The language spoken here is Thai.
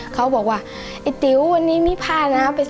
เขาบอกว่าไอ้ติ๊ววันนี้ไม่พลาดนะค่ะ